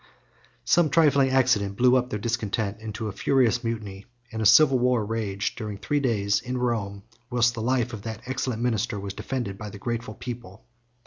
Some trifling accident blew up their discontent into a furious mutiny; and the civil war raged, during three days, in Rome, whilst the life of that excellent minister was defended by the grateful people.